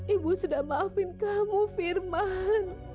ibu sudah maafin kamu firman